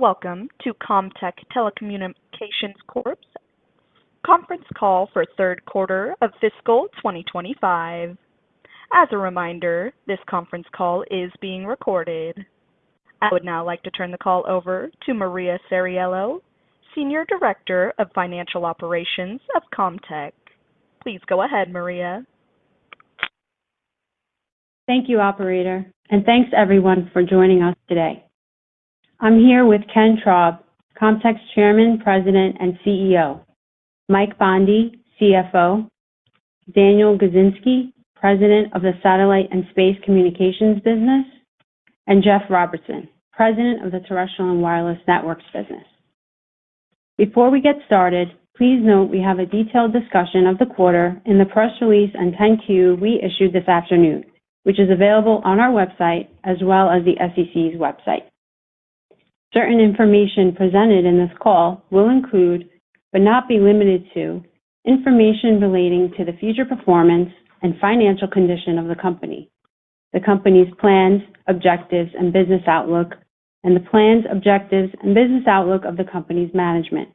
Welcome to Comtech Telecommunications Corp's conference call for third quarter of fiscal 2025. As a reminder, this conference call is being recorded. I would now like to turn the call over to Maria Ceriello, Senior Director of Financial Operations of Comtech. Please go ahead, Maria. Thank you, Operator, and thanks, everyone, for joining us today. I'm here with Ken Traub, Comtech's Chairman, President, and CEO; Mike Bondi, CFO; Daniel Gizinski, President of the Satellite and Space Communications Business; and Jeff Robertson, President of the Terrestrial and Wireless Networks Business. Before we get started, please note we have a detailed discussion of the quarter in the press release on 10-Q we issued this afternoon, which is available on our website as well as the SEC's website. Certain information presented in this call will include, but not be limited to, information relating to the future performance and financial condition of the company, the company's plans, objectives, and business outlook, and the plans, objectives, and business outlook of the company's management.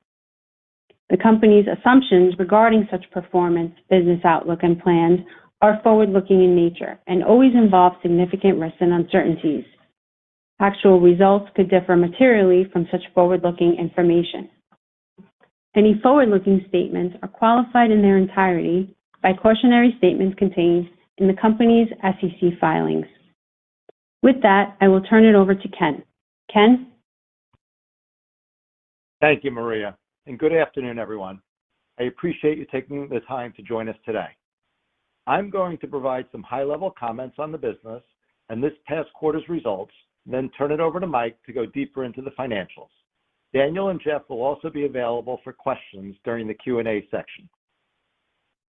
The company's assumptions regarding such performance, business outlook, and plans are forward-looking in nature and always involve significant risks and uncertainties. Actual results could differ materially from such forward-looking information. Any forward-looking statements are qualified in their entirety by cautionary statements contained in the company's SEC filings. With that, I will turn it over to Ken. Ken? Thank you, Maria, and good afternoon, everyone. I appreciate you taking the time to join us today. I'm going to provide some high-level comments on the business and this past quarter's results, then turn it over to Mike to go deeper into the financials. Daniel and Jeff will also be available for questions during the Q&A section.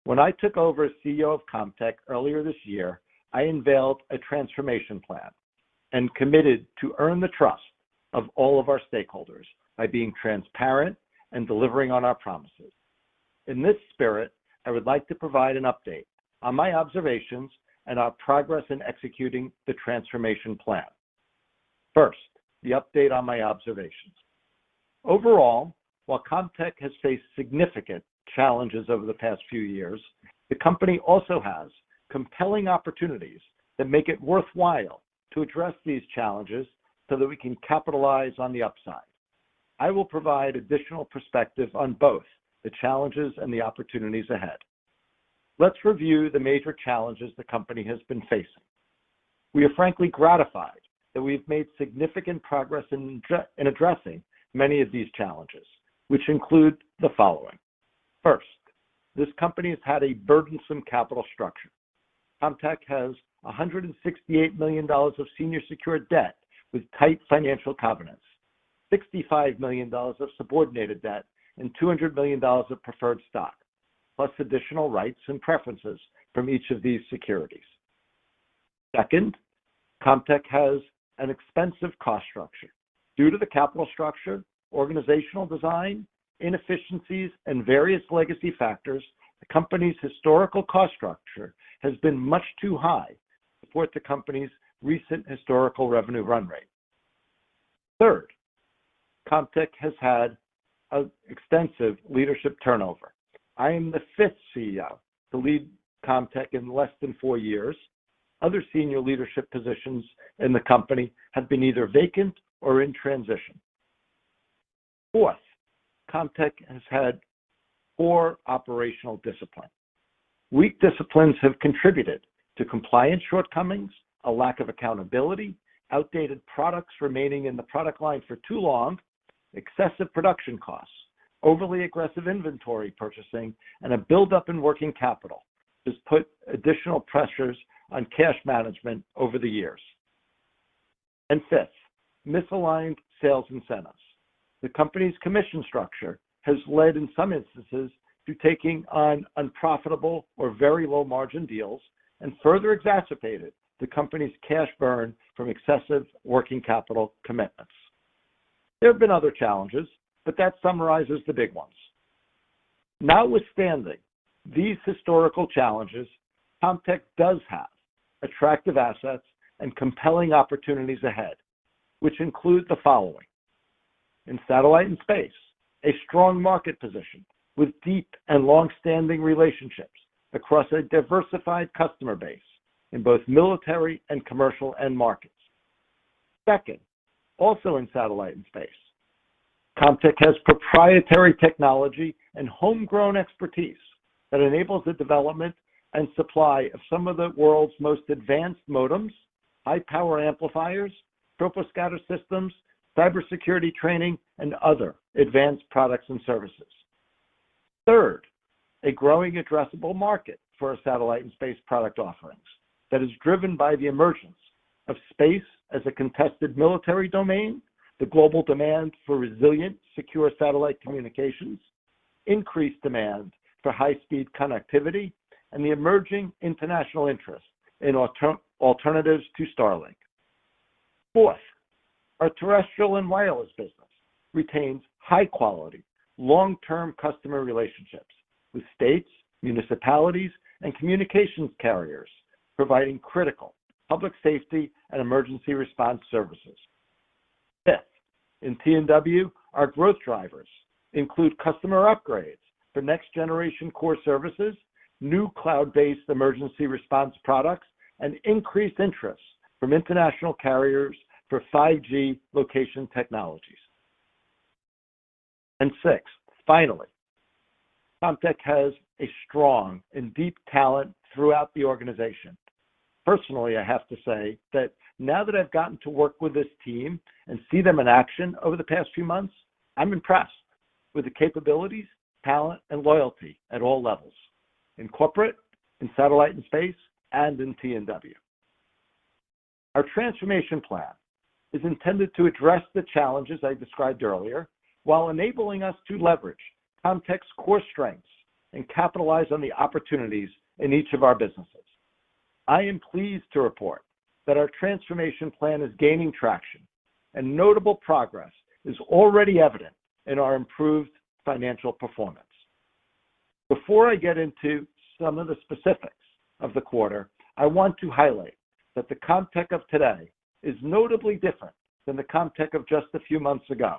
When I took over as CEO of Comtech earlier this year, I unveiled a transformation plan and committed to earn the trust of all of our stakeholders by being transparent and delivering on our promises. In this spirit, I would like to provide an update on my observations and our progress in executing the transformation plan. First, the update on my observations. Overall, while Comtech has faced significant challenges over the past few years, the company also has compelling opportunities that make it worthwhile to address these challenges so that we can capitalize on the upside. I will provide additional perspective on both the challenges and the opportunities ahead. Let's review the major challenges the company has been facing. We are frankly gratified that we have made significant progress in addressing many of these challenges, which include the following. First, this company has had a burdensome capital structure. Comtech has $168 million of senior secured debt with tight financial covenants, $65 million of subordinated debt, and $200 million of preferred stock, + additional rights and preferences from each of these securities. Second, Comtech has an expensive cost structure. Due to the capital structure, organizational design, inefficiencies, and various legacy factors, the company's historical cost structure has been much too high to support the company's recent historical revenue run rate. Third, Comtech has had extensive leadership turnover. I am the fifth CEO to lead Comtech in less than four years. Other senior leadership positions in the company have been either vacant or in transition. Fourth, Comtech has had poor operational discipline. Weak disciplines have contributed to compliance shortcomings, a lack of accountability, outdated products remaining in the product line for too long, excessive production costs, overly aggressive inventory purchasing, and a buildup in working capital has put additional pressures on cash management over the years. Fifth, misaligned sales incentives. The company's commission structure has led in some instances to taking on unprofitable or very low-margin deals and further exacerbated the company's cash burn from excessive working capital commitments. There have been other challenges, but that summarizes the big ones. Now, withstanding these historical challenges, Comtech does have attractive assets and compelling opportunities ahead, which include the following: in satellite and space, a strong market position with deep and long-standing relationships across a diversified customer base in both military and commercial end markets. Second, also in satellite and space, Comtech has proprietary technology and homegrown expertise that enables the development and supply of some of the world's most advanced modems, high-power amplifiers, troposcatter systems, cybersecurity training, and other advanced products and services. Third, a growing addressable market for satellite and space product offerings that is driven by the emergence of space as a contested military domain, the global demand for resilient, secure satellite communications, increased demand for high-speed connectivity, and the emerging international interest in alternatives to Starlink. Fourth, our terrestrial and wireless business retains high-quality, long-term customer relationships with states, municipalities, and communications carriers, providing critical public safety and emergency response services. Fifth, in T&W, our growth drivers include customer upgrades for next-generation core services, new cloud-based emergency response products, and increased interest from international carriers for 5G location technologies. Sixth, finally, Comtech has a strong and deep talent throughout the organization. Personally, I have to say that now that I've gotten to work with this team and see them in action over the past few months, I'm impressed with the capabilities, talent, and loyalty at all levels in corporate, in satellite and space, and in T&W. Our transformation plan is intended to address the challenges I described earlier while enabling us to leverage Comtech's core strengths and capitalize on the opportunities in each of our businesses. I am pleased to report that our transformation plan is gaining traction, and notable progress is already evident in our improved financial performance. Before I get into some of the specifics of the quarter, I want to highlight that the Comtech of today is notably different than the Comtech of just a few months ago.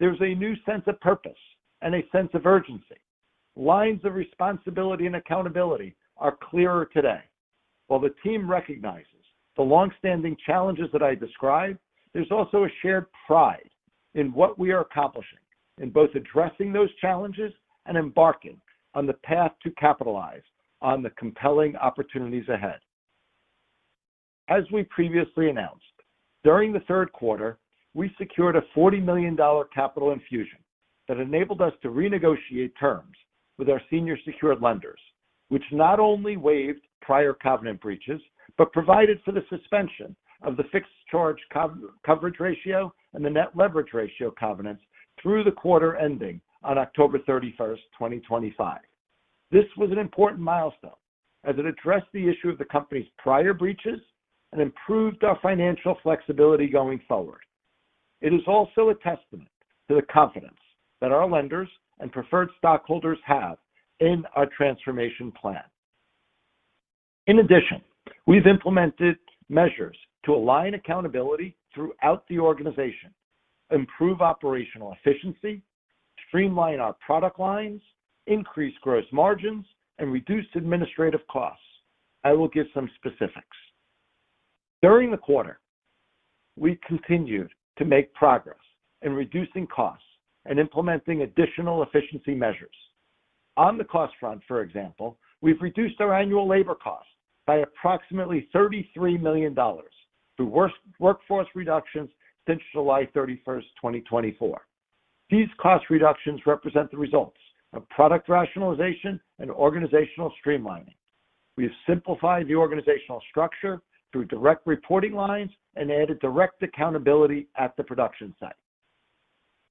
There is a new sense of purpose and a sense of urgency. Lines of responsibility and accountability are clearer today. While the team recognizes the long-standing challenges that I described, there is also a shared pride in what we are accomplishing in both addressing those challenges and embarking on the path to capitalize on the compelling opportunities ahead. As we previously announced, during the third quarter, we secured a $40 million capital infusion that enabled us to renegotiate terms with our senior secured lenders, which not only waived prior covenant breaches but provided for the suspension of the fixed charge coverage ratio and the net leverage ratio covenants through the quarter ending on October 31st, 2025. This was an important milestone as it addressed the issue of the company's prior breaches and improved our financial flexibility going forward. It is also a testament to the confidence that our lenders and preferred stockholders have in our transformation plan. In addition, we've implemented measures to align accountability throughout the organization, improve operational efficiency, streamline our product lines, increase gross margins, and reduce administrative costs. I will give some specifics. During the quarter, we continued to make progress in reducing costs and implementing additional efficiency measures. On the cost front, for example, we've reduced our annual labor cost by approximately $33 million through workforce reductions since July 31st, 2024. These cost reductions represent the results of product rationalization and organizational streamlining. We have simplified the organizational structure through direct reporting lines and added direct accountability at the production site.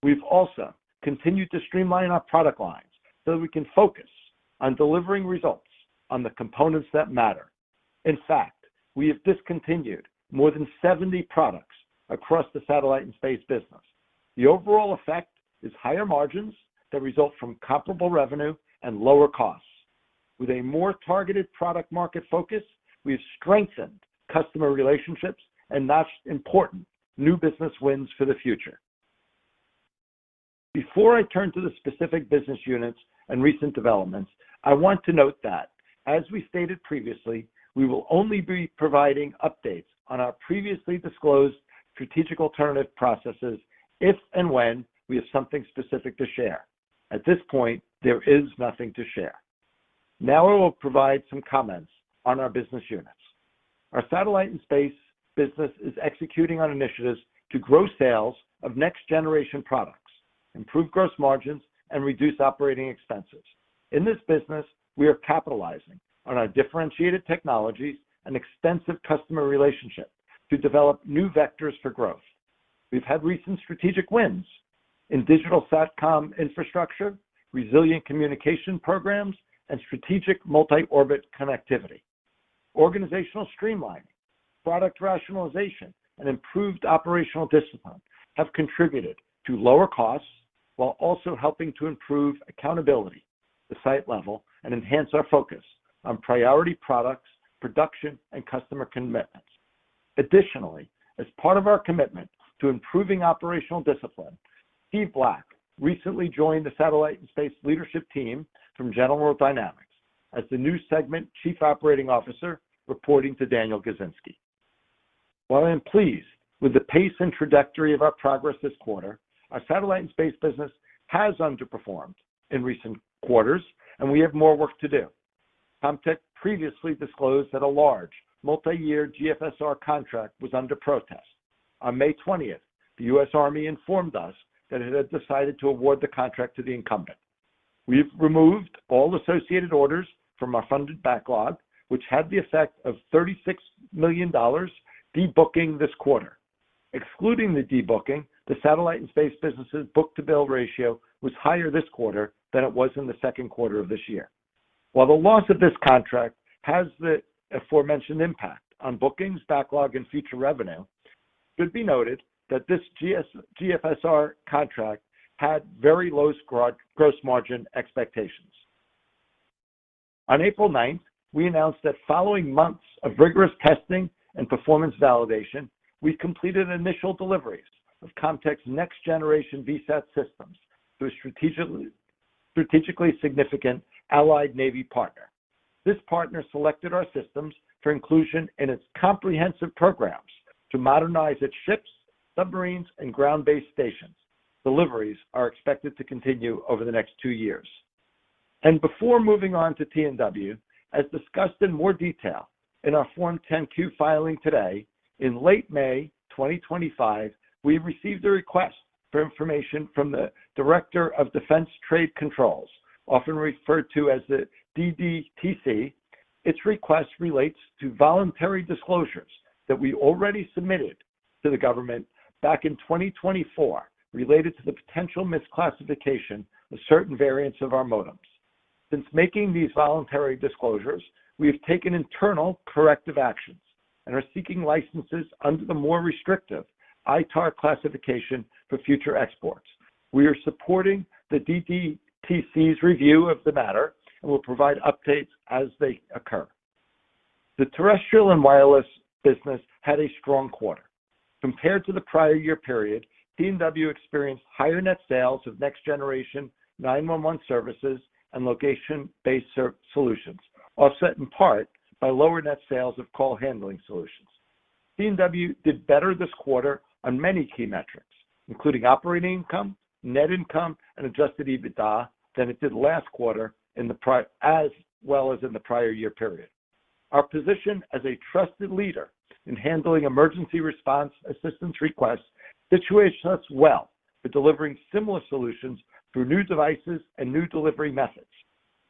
We've also continued to streamline our product lines so that we can focus on delivering results on the components that matter. In fact, we have discontinued more than 70 products across the satellite and space business. The overall effect is higher margins that result from comparable revenue and lower costs. With a more targeted product market focus, we have strengthened customer relationships and notched important new business wins for the future. Before I turn to the specific business units and recent developments, I want to note that, as we stated previously, we will only be providing updates on our previously disclosed strategic alternative processes if and when we have something specific to share. At this point, there is nothing to share. Now, I will provide some comments on our business units. Our satellite and space business is executing on initiatives to grow sales of next-generation products, improve gross margins, and reduce operating expenses. In this business, we are capitalizing on our differentiated technologies and extensive customer relationships to develop new vectors for growth. We've had recent strategic wins in digital satcom infrastructure, resilient communication programs, and strategic multi-orbit connectivity. Organizational streamlining, product rationalization, and improved operational discipline have contributed to lower costs while also helping to improve accountability at the site level and enhance our focus on priority products, production, and customer commitments. Additionally, as part of our commitment to improving operational discipline, Steve Black recently joined the satellite and space leadership team from General Dynamics as the new segment Chief Operating Officer reporting to Daniel Gizinski. While I am pleased with the pace and trajectory of our progress this quarter, our satellite and space business has underperformed in recent quarters, and we have more work to do. Comtech previously disclosed that a large multi-year GFSR contract was under protest. On May 20th, the U.S. Army informed us that it had decided to award the contract to the incumbent. We've removed all associated orders from our funded backlog, which had the effect of $36 million debooking this quarter. Excluding the debooking, the satellite and space business's book-to-bill ratio was higher this quarter than it was in the second quarter of this year. While the loss of this contract has the aforementioned impact on bookings, backlog, and future revenue, it should be noted that this GFSR contract had very low gross margin expectations. On April 9th, we announced that following months of rigorous testing and performance validation, we completed initial deliveries of Comtech's next-generation VSAT systems to a strategically significant Allied Navy partner. This partner selected our systems for inclusion in its comprehensive programs to modernize its ships, submarines, and ground-based stations. Deliveries are expected to continue over the next two years. Before moving on to T&W, as discussed in more detail in our Form 10-Q filing today, in late May 2025, we received a request for information from the Directorate of Defense Trade Controls, often referred to as the DDTC. Its request relates to voluntary disclosures that we already submitted to the government back in 2024 related to the potential misclassification of certain variants of our modems. Since making these voluntary disclosures, we have taken internal corrective actions and are seeking licenses under the more restrictive ITAR classification for future exports. We are supporting the DDTC's review of the matter and will provide updates as they occur. The terrestrial and wireless business had a strong quarter. Compared to the prior year period, T&W experienced higher net sales of next-generation 911 services and location-based solutions, offset in part by lower net sales of call-handling solutions. T&W did better this quarter on many key metrics, including operating income, net income, and adjusted EBITDA than it did last quarter, as well as in the prior year period. Our position as a trusted leader in handling emergency response assistance requests situates us well for delivering similar solutions through new devices and new delivery methods.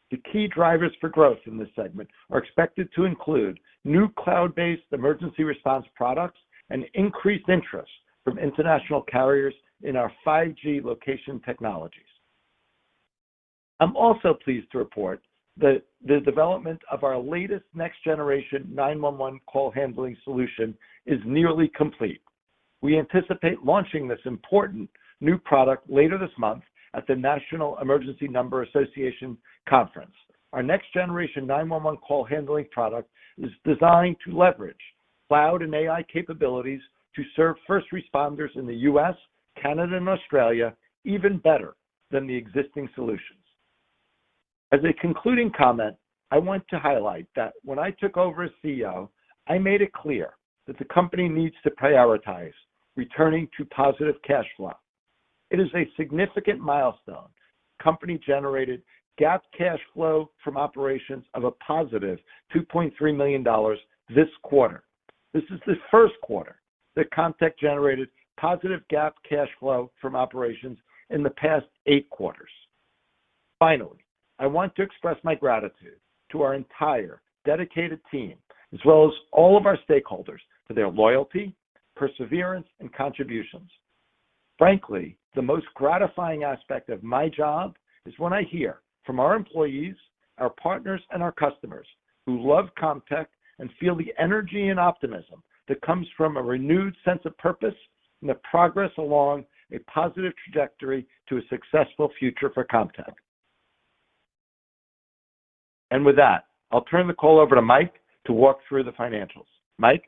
The key drivers for growth in this segment are expected to include new cloud-based emergency response products and increased interest from international carriers in our 5G location technologies. I'm also pleased to report that the development of our latest next-generation 911 call-handling solution is nearly complete. We anticipate launching this important new product later this month at the National Emergency Number Association Conference. Our next-generation 911 call-handling product is designed to leverage cloud and AI capabilities to serve first responders in the U.S., Canada, and Australia even better than the existing solutions. As a concluding comment, I want to highlight that when I took over as CEO, I made it clear that the company needs to prioritize returning to positive cash flow. It is a significant milestone: the company generated GAAP cash flow from operations of a positive $2.3 million this quarter. This is the first quarter that Comtech generated positive GAAP cash flow from operations in the past eight quarters. Finally, I want to express my gratitude to our entire dedicated team, as well as all of our stakeholders, for their loyalty, perseverance, and contributions. Frankly, the most gratifying aspect of my job is when I hear from our employees, our partners, and our customers who love Comtech and feel the energy and optimism that comes from a renewed sense of purpose and the progress along a positive trajectory to a successful future for Comtech. With that, I'll turn the call over to Mike to walk through the financials. Mike?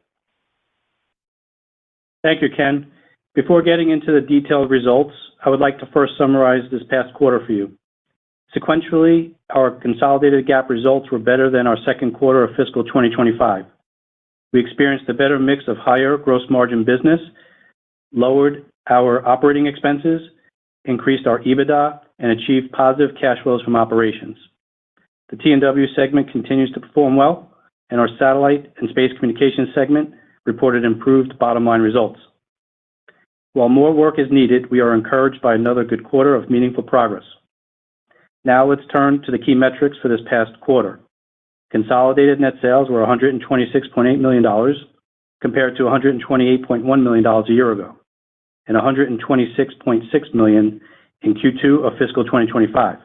Thank you, Ken. Before getting into the detailed results, I would like to first summarize this past quarter for you. Sequentially, our consolidated GAAP results were better than our second quarter of fiscal 2025. We experienced a better mix of higher gross margin business, lowered our operating expenses, increased our EBITDA, and achieved positive cash flows from operations. The T&W segment continues to perform well, and our Satellite and Space Communications segment reported improved bottom-line results. While more work is needed, we are encouraged by another good quarter of meaningful progress. Now, let's turn to the key metrics for this past quarter. Consolidated net sales were $126.8 million compared to $128.1 million a year ago and $126.6 million in Q2 of fiscal 2025.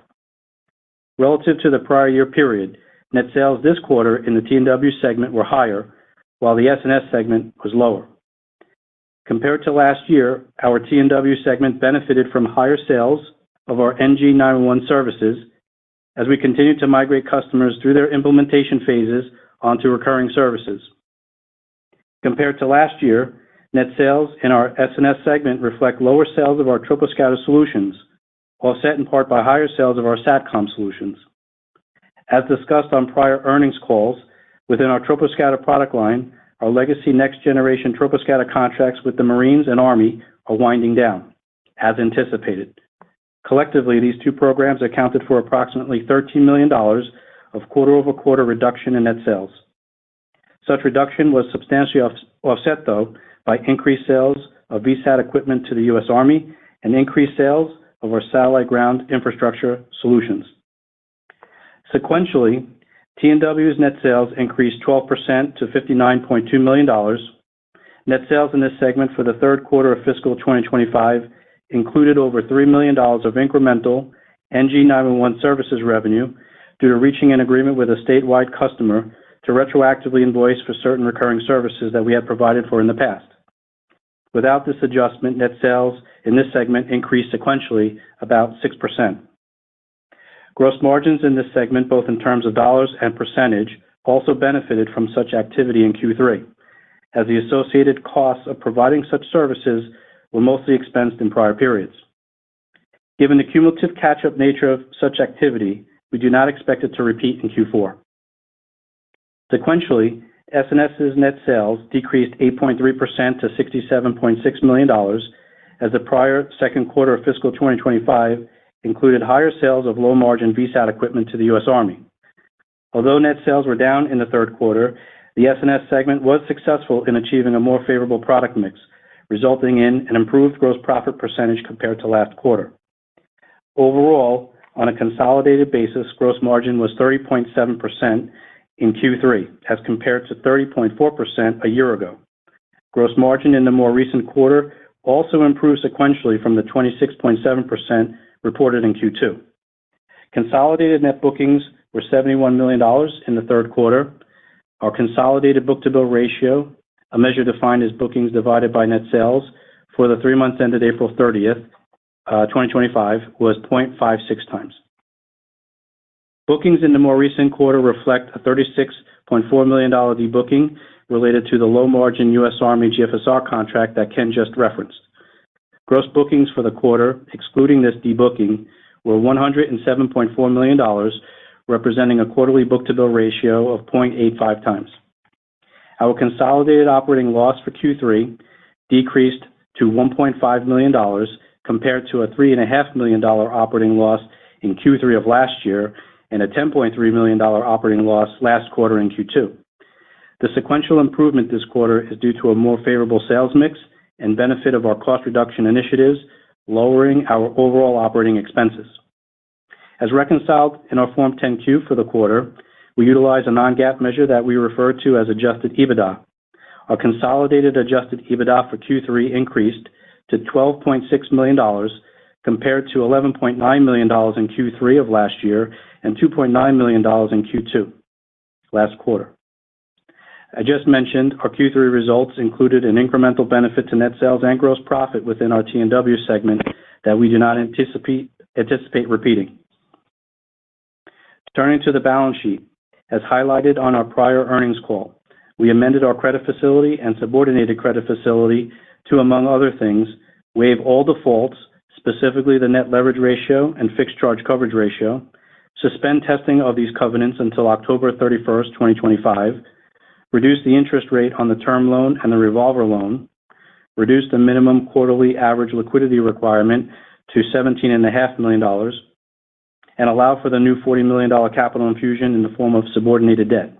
Relative to the prior year period, net sales this quarter in the T&W segment were higher, while the S&S segment was lower. Compared to last year, our T&W segment benefited from higher sales of our NG911 services as we continue to migrate customers through their implementation phases onto recurring services. Compared to last year, net sales in our S&S segment reflect lower sales of our Troposcatter solutions, offset in part by higher sales of our Satcom Solutions. As discussed on prior earnings calls, within our Troposcatter product line, our legacy next-generation Troposcatter contracts with the Marines and Army are winding down, as anticipated. Collectively, these two programs accounted for approximately $13 million of quarter-over-quarter reduction in net sales. Such reduction was substantially offset, though, by increased sales of VSAT equipment to the U.S. Army and increased sales of our satellite ground infrastructure solutions. Sequentially, T&W's net sales increased 12%-$59.2 million. Net sales in this segment for the third quarter of fiscal 2025 included over $3 million of incremental NG911 services revenue due to reaching an agreement with a statewide customer to retroactively invoice for certain recurring services that we had provided for in the past. Without this adjustment, net sales in this segment increased sequentially about 6%. Gross margins in this segment, both in terms of dollars and percentage, also benefited from such activity in Q3, as the associated costs of providing such services were mostly expensed in prior periods. Given the cumulative catch-up nature of such activity, we do not expect it to repeat in Q4. Sequentially, S&S's net sales decreased 8.3%-$67.6 million as the prior second quarter of fiscal 2025 included higher sales of low-margin VSAT equipment to the U.S. Army. Although net sales were down in the third quarter, the S&S segment was successful in achieving a more favorable product mix, resulting in an improved gross profit percentage compared to last quarter. Overall, on a consolidated basis, gross margin was 30.7% in Q3, as compared to 30.4% a year ago. Gross margin in the more recent quarter also improved sequentially from the 26.7% reported in Q2. Consolidated net bookings were $71 million in the third quarter. Our consolidated book-to-bill ratio, a measure defined as bookings divided by net sales for the three months ended April 30th, 2025, was 0.56 times. Bookings in the more recent quarter reflect a $36.4 million debooking related to the low-margin U.S. Army GFSR contract that Ken just referenced. Gross bookings for the quarter, excluding this debooking, were $107.4 million, representing a quarterly book-to-bill ratio of 0.85 times. Our consolidated operating loss for Q3 decreased to $1.5 million compared to a $3.5 million operating loss in Q3 of last year and a $10.3 million operating loss last quarter in Q2. The sequential improvement this quarter is due to a more favorable sales mix and benefit of our cost reduction initiatives, lowering our overall operating expenses. As reconciled in our Form 10-Q for the quarter, we utilize a non-GAAP measure that we refer to as adjusted EBITDA. Our consolidated adjusted EBITDA for Q3 increased to $12.6 million compared to $11.9 million in Q3 of last year and $2.9 million in Q2 last quarter. As just mentioned, our Q3 results included an incremental benefit to net sales and gross profit within our T&W segment that we do not anticipate repeating. Turning to the balance sheet, as highlighted on our prior earnings call, we amended our credit facility and subordinated credit facility to, among other things, waive all defaults, specifically the net leverage ratio and fixed charge coverage ratio, suspend testing of these covenants until October 31st, 2025, reduce the interest rate on the term loan and the revolver loan, reduce the minimum quarterly average liquidity requirement to $17.5 million, and allow for the new $40 million capital infusion in the form of subordinated debt.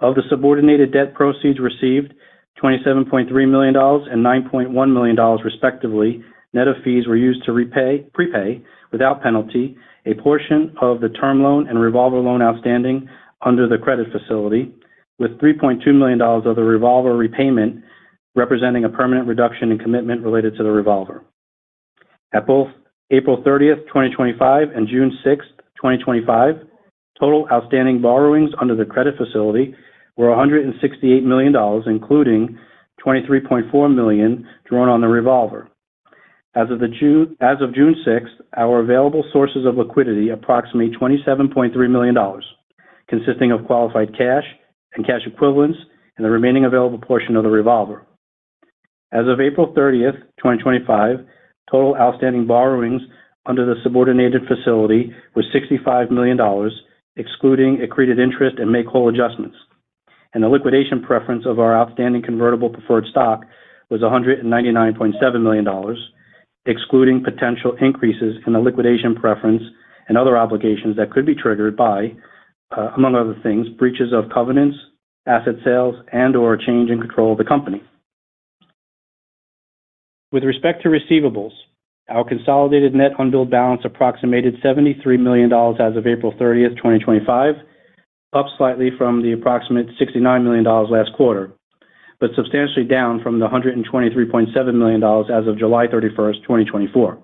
Of the subordinated debt proceeds received, $27.3 million and $9.1 million, respectively, net of fees were used to prepay, without penalty, a portion of the term loan and revolver loan outstanding under the credit facility, with $3.2 million of the revolver repayment representing a permanent reduction in commitment related to the revolver. At both April 30th, 2025, and June 6th, 2025, total outstanding borrowings under the credit facility were $168 million, including $23.4 million drawn on the revolver. As of June 6, our available sources of liquidity approximate $27.3 million, consisting of qualified cash and cash equivalents and the remaining available portion of the revolver. As of April 30th, 2025, total outstanding borrowings under the subordinated facility were $65 million, excluding accreted interest and May Cole adjustments. The liquidation preference of our outstanding convertible preferred stock was $199.7 million, excluding potential increases in the liquidation preference and other obligations that could be triggered by, among other things, breaches of covenants, asset sales, and/or change in control of the company. With respect to receivables, our consolidated net unbilled balance approximated $73 million as of April 30th, 2025, up slightly from the approximate $69 million last quarter, but substantially down from the $123.7 million as of July 31st, 2024.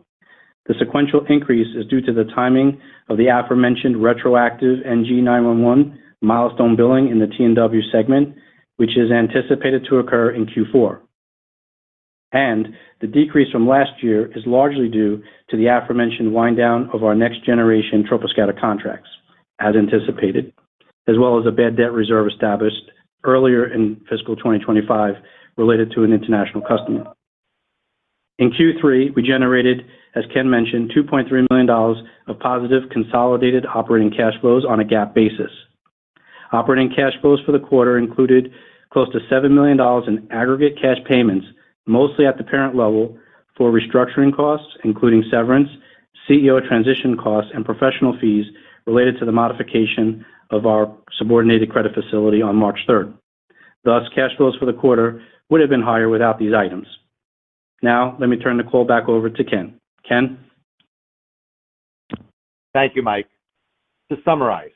The sequential increase is due to the timing of the aforementioned retroactive NG911 milestone billing in the T&W segment, which is anticipated to occur in Q4. The decrease from last year is largely due to the aforementioned wind down of our next-generation Troposcatter contracts, as anticipated, as well as a bad debt reserve established earlier in fiscal 2025 related to an international customer. In Q3, we generated, as Ken mentioned, $2.3 million of positive consolidated operating cash flows on a GAAP basis. Operating cash flows for the quarter included close to $7 million in aggregate cash payments, mostly at the parent level for restructuring costs, including severance, CEO transition costs, and professional fees related to the modification of our subordinated credit facility on March 3rd. Thus, cash flows for the quarter would have been higher without these items. Now, let me turn the call back over to Ken. Ken? Thank you, Mike. To summarize,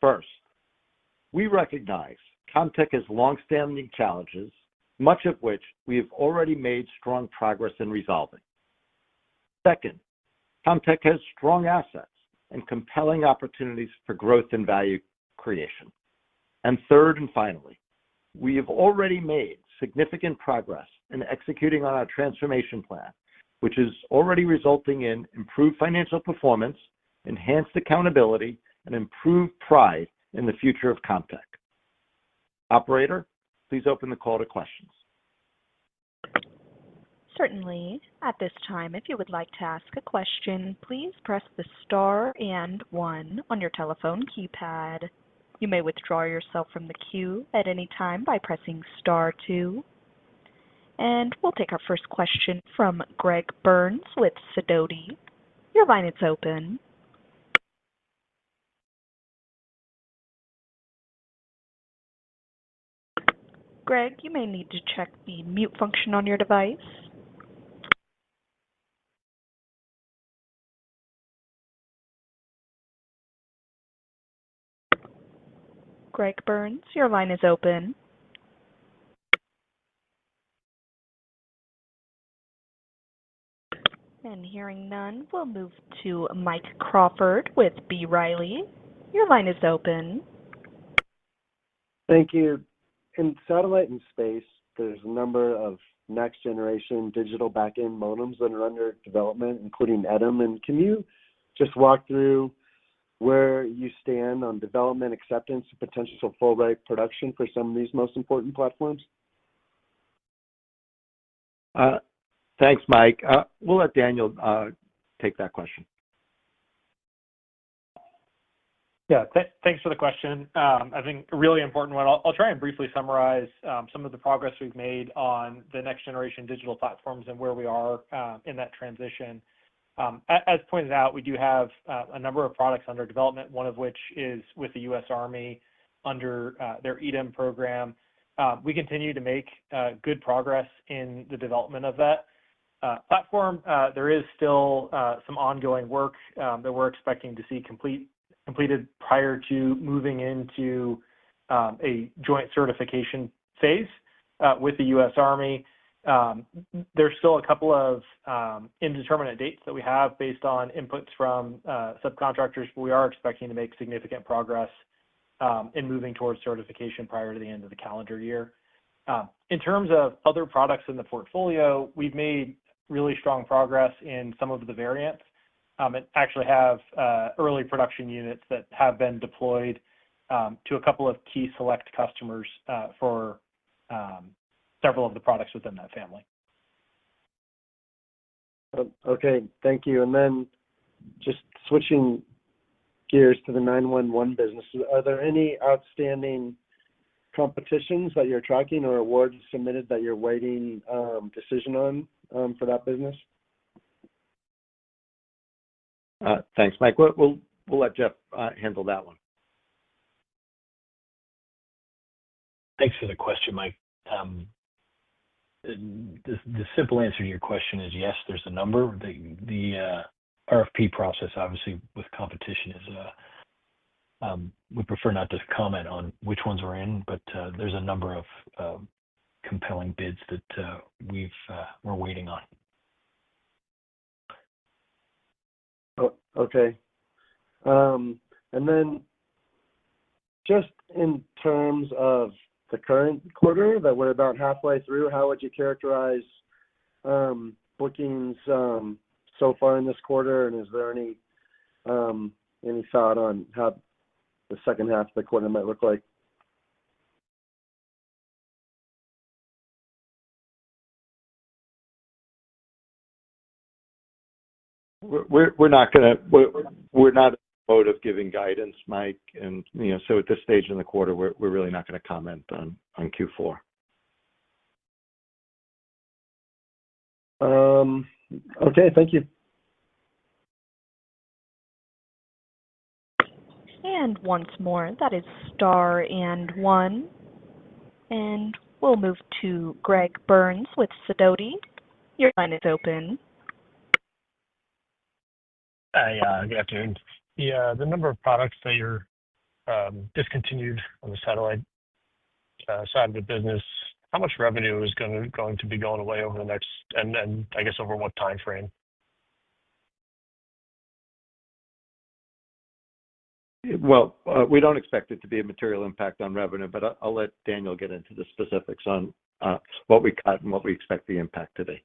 first, we recognize Comtech has long-standing challenges, much of which we have already made strong progress in resolving. Second, Comtech has strong assets and compelling opportunities for growth and value creation. Third and finally, we have already made significant progress in executing on our transformation plan, which is already resulting in improved financial performance, enhanced accountability, and improved pride in the future of Comtech. Operator, please open the call to questions. Certainly. At this time, if you would like to ask a question, please press the star and one on your telephone keypad. You may withdraw yourself from the queue at any time by pressing star two. We will take our first question from Greg Burns with Sidoti. Your line is open. Greg, you may need to check the mute function on your device. Greg Burns, your line is open. Hearing none, we will move to Mike Crawford with B. Riley. Your line is open. Thank you. In satellite and space, there is a number of next-generation digital back-end modems that are under development, including Edim. Can you just walk through where you stand on development, acceptance, and potential full-rate production for some of these most important platforms? Thanks, Mike. We will let Daniel take that question. Yeah. Thanks for the question. I think really important one. I'll try and briefly summarize some of the progress we've made on the next-generation digital platforms and where we are in that transition. As pointed out, we do have a number of products under development, one of which is with the U.S. Army under their EDIM program. We continue to make good progress in the development of that platform. There is still some ongoing work that we're expecting to see completed prior to moving into a joint certification phase with the U.S. Army. There's still a couple of indeterminate dates that we have based on inputs from subcontractors, but we are expecting to make significant progress in moving towards certification prior to the end of the calendar year. In terms of other products in the portfolio, we've made really strong progress in some of the variants. We actually have early production units that have been deployed to a couple of key select customers for several of the products within that family. Okay. Thank you. Then just switching gears to the 911 businesses, are there any outstanding competitions that you're tracking or awards submitted that you're waiting decision on for that business? Thanks, Mike. We'll let Jeff handle that one. Thanks for the question, Mike. The simple answer to your question is yes, there's a number. The RFP process, obviously, with competition is we prefer not to comment on which ones we're in, but there's a number of compelling bids that we're waiting on. Okay. Then just in terms of the current quarter, that we're about halfway through, how would you characterize bookings so far in this quarter? Is there any thought on how the second half of the quarter might look like? We're not going to, we're not in the mode of giving guidance, Mike. At this stage in the quarter, we're really not going to comment on Q4. Okay. Thank you. Once more, that is star and one. We'll move to Greg Burns with Sidoti. Your line is open. Hi, yeah. Good afternoon. The number of products that you're discontinuing on the satellite side of the business, how much revenue is going to be going away over the next, and I guess over what time frame? We don't expect it to be a material impact on revenue, but I'll let Daniel get into the specifics on what we cut and what we expect the impact to be.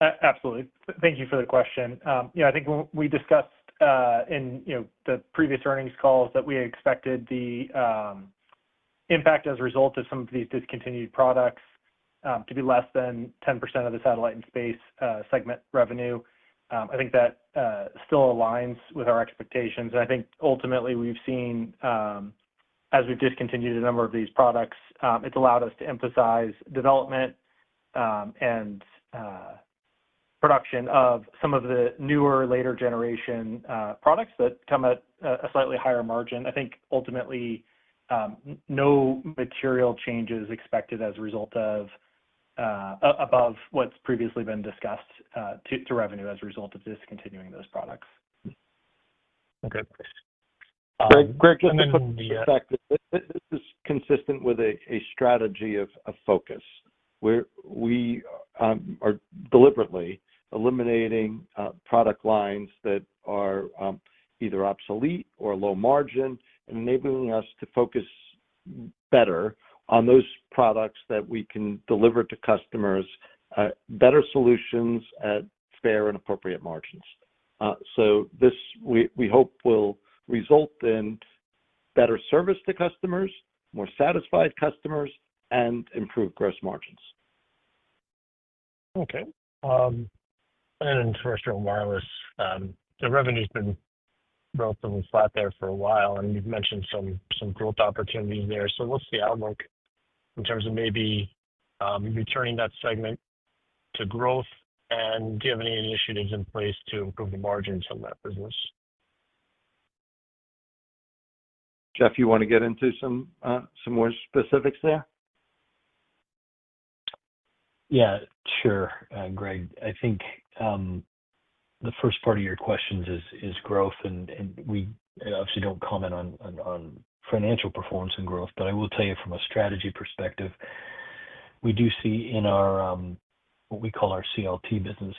Absolutely. Thank you for the question. I think we discussed in the previous earnings calls that we expected the impact as a result of some of these discontinued products to be less than 10% of the satellite and space segment revenue. I think that still aligns with our expectations. I think ultimately we've seen, as we've discontinued a number of these products, it's allowed us to emphasize development and production of some of the newer later generation products that come at a slightly higher margin. I think ultimately no material changes expected as a result of above what's previously been discussed to revenue as a result of discontinuing those products. Okay. Greg, just to put in the effect, this is consistent with a strategy of focus. We are deliberately eliminating product lines that are either obsolete or low margin and enabling us to focus better on those products that we can deliver to customers, better solutions at fair and appropriate margins. This, we hope, will result in better service to customers, more satisfied customers, and improved gross margins. Okay. For wireless, the revenue has been relatively flat there for a while, and you've mentioned some growth opportunities there. What's the outlook in terms of maybe returning that segment to growth? Do you have any initiatives in place to improve the margins on that business? Jeff, you want to get into some more specifics there? Yeah, sure. Greg, I think the first part of your question is growth, and we obviously do not comment on financial performance and growth, but I will tell you from a strategy perspective, we do see in our what we call our CLT business,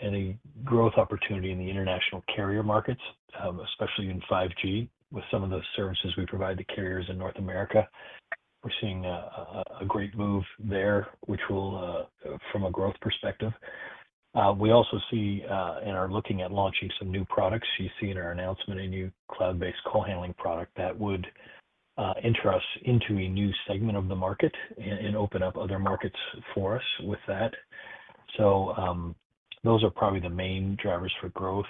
any growth opportunity in the international carrier markets, especially in 5G, with some of the services we provide to carriers in North America. We are seeing a great move there, which will, from a growth perspective. We also see and are looking at launching some new products. You see in our announcement a new cloud-based call handling product that would enter us into a new segment of the market and open up other markets for us with that. Those are probably the main drivers for growth.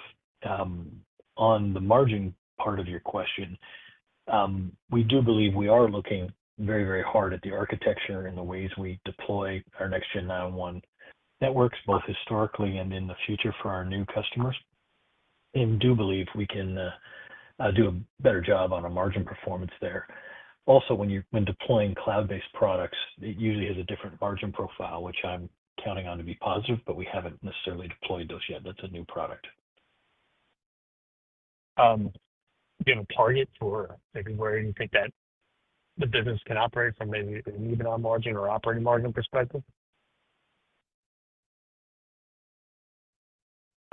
On the margin part of your question, we do believe we are looking very, very hard at the architecture and the ways we deploy our next-gen 911 networks, both historically and in the future for our new customers. I do believe we can do a better job on margin performance there. Also, when deploying cloud-based products, it usually has a different margin profile, which I'm counting on to be positive, but we haven't necessarily deployed those yet. That's a new product. Do you have a target for maybe where you think that the business can operate from maybe an EBITDA margin or operating margin perspective?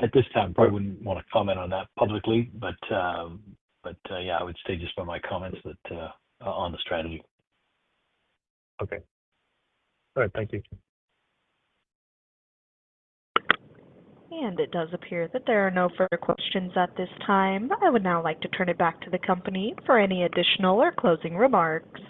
At this time, I probably wouldn't want to comment on that publicly, but yeah, I would stay just by my comments on the strategy. Okay. All right. Thank you. It does appear that there are no further questions at this time. I would now like to turn it back to the company for any additional or closing remarks.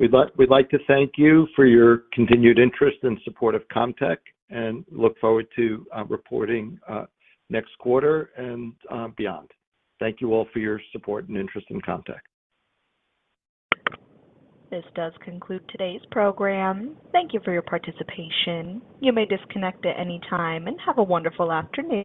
We'd like to thank you for your continued interest and support of Comtech and look forward to reporting next quarter and beyond. Thank you all for your support and interest in Comtech. This does conclude today's program. Thank you for your participation. You may disconnect at any time and have a wonderful afternoon.